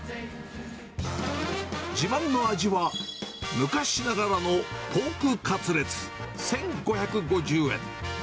自慢の味は、昔ながらのポークカツレツ１５５０円。